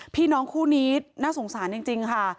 พี่น้องคู่นี้น่าสงสารจริงค่ะ